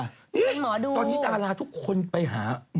ตอนนี้ดาราทุกคนไปหาหมอเอก